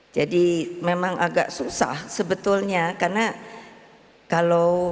jadi memang agak susah sebetulnya karena kalau